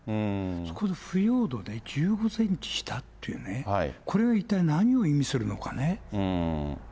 そこの腐葉土でね、１５センチ下っていうのが、これは一体何を意味するのかね。